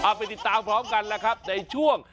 เอาไปติดตามพร้อมกันแล้วครับในช่วง